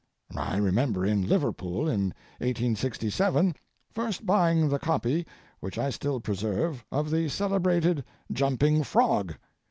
I remember in Liverpool, in 1867, first buying the copy, which I still preserve, of the celebrated 'Jumping Frog.'